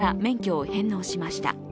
去年、自ら免許を返納しました。